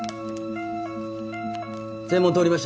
声門通りました。